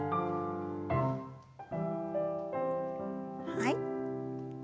はい。